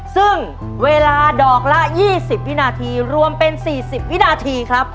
ซึ่งเวลาดอกละ๒๐วินาทีรวมเป็น๔๐วินาทีครับ